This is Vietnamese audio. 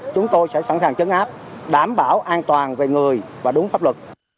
chúng tôi sẽ sẵn sàng chấn áp đảm bảo an toàn về người và đúng pháp luật